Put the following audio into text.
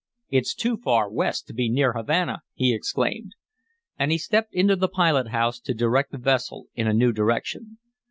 "It's too far west to be near Havana!" he exclaimed. And he stepped into the pilot house to direct the vessel in a new direction.